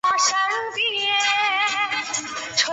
马正秀文革受害者。